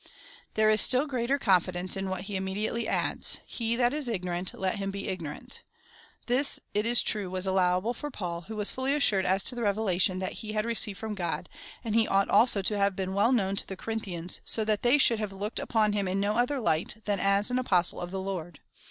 ^ There is still greater confidence in what he immedi ately adds — He that is ignorant, let hitn he ignorant. This, it is true, was allowable for Paul, who was fully assured as to the revelation that he had received from God, and he ought also to have been well known to the Corin thians, so that they should have looked upon him in no other light, than as an Apostle of the Lord.